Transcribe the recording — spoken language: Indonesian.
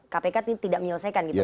kpk tidak menyelesaikan gitu